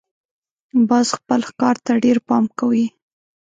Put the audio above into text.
باز خپل ښکار ته ډېر پام کوي